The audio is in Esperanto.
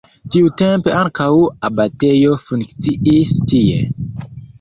Tiutempe ankaŭ abatejo funkciis tie.